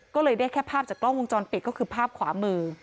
ก็เลยได้แค่ภาพจากกล้องวงจรปิดก็คือภาพขวามือ